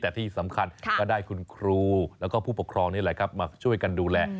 แต่ที่สำคัญก็ได้คุณครูและผู้ปกครองมาช่วยกันดูแล